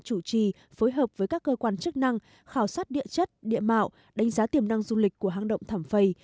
chủ trì phối hợp với các cơ quan chức năng khảo sát địa chất địa mạo đánh giá tiềm năng du lịch của hang động thảm phầy